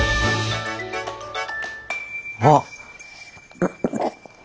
あっ。